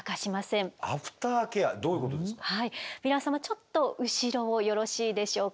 ちょっと後ろをよろしいでしょうか？